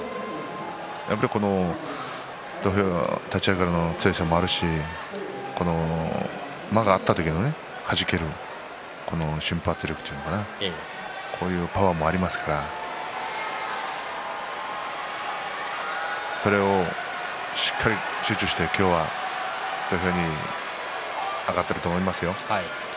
やっぱり土俵、立ち合いからの強さもありますし間があった時のはじける瞬発力というのもこういうパワーもありますからそれをしっかり集中して今日は土俵に上がっていると思いますよ。